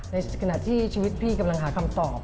ในขณะที่ชีวิตพี่กำลังหาคำตอบ